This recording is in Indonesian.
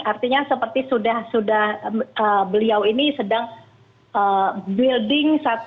artinya seperti sudah beliau ini sedang building